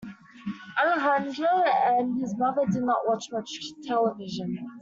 Alejandro and his brother did not watch much television.